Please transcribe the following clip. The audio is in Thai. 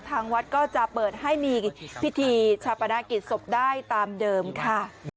ทางวัดก็จะเปิดให้มีพิธีชาปนากิจศพได้ตามเดิมค่ะ